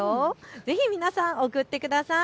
ぜひ皆さん送ってください。